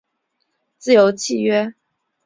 自由契约。